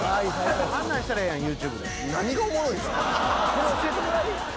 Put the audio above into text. これ教えてもらい。